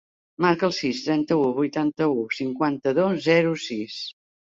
Marca el sis, trenta-u, vuitanta-u, cinquanta-dos, zero, sis.